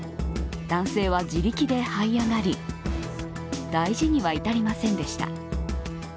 男性は自力ではい上がり大事には至りませんでした。